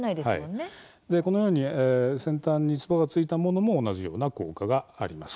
このように先端につばがついたものも同じような効果があります。